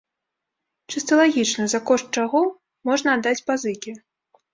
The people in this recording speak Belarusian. Чыста лагічна, за кошт чаго можна аддаць пазыкі?